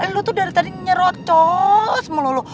lo tuh dari tadi nyerocos mulu lo